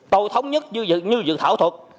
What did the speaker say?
tôi thống nhất như dự thảo thuật